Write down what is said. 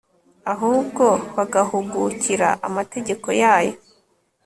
ahubwo bagahugukira amategeko yayo